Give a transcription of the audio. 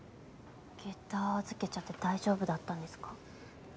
げた預けちゃって大丈夫だったんですか？